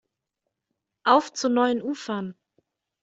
Auf zu neuen Ufern!